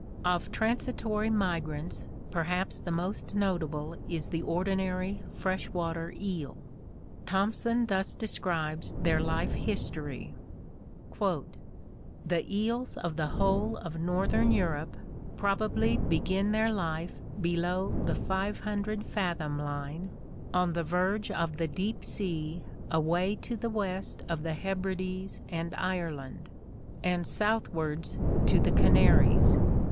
— Of transitory migrants perhaps the most notable is the ordinary fresh water eel. Thomson thus describes their life history: "The eels of the whole of northern Europe probably begin their life below the 500 fathom line on the verge of the deep sea away to the west of the Hebrides and Ireland, and southwards to the Canaries.